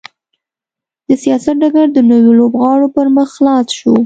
د سیاست ډګر د نویو لوبغاړو پر مخ خلاص شو.